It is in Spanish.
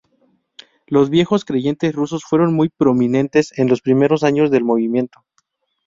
Los viejos creyentes rusos fueron muy prominentes en los primeros años del movimiento.